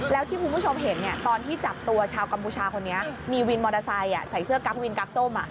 แล้วที่คุณผู้ชมเห็นตอนที่จับตัวชาวกัมพูชาคนนี้มีวินมอเตอร์ไซค์ใส่เสื้อกั๊กวินกั๊กส้ม